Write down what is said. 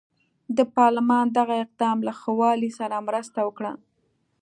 د پارلمان دغه اقدام له ښه والي سره مرسته وکړه.